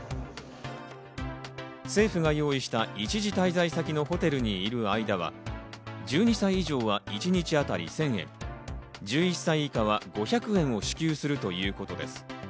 政府が用意した一時滞在先のホテルにいる間は、１２歳以上は一日当たり１０００円、１１歳以下は５００円を支給するということです。